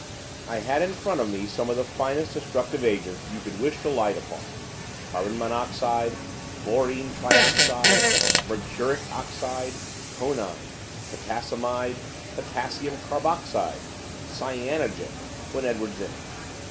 I had in front of me some of the finest destructive agents you could wish to light upon carbon monoxide, chlorine trioxide, mercuric oxide, conine, potassamide, potassium carboxide, cyanogen when Edwards entered.